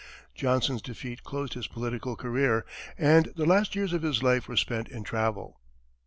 Johnson's defeat closed his political career, and the last years of his life were spent in travel.